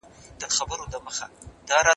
د مالونو په ګټلو کي انصاف وکړئ.